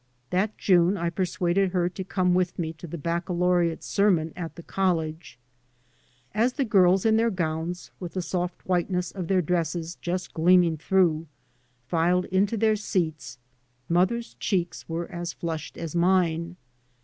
That June I persuaded her to come with me to the baccalaureate sermon at the college. As the girls in their gowns, with the soft whiteness of their dresses just gleaming through, filed into their seats mother's cheeks were as flushed as mine.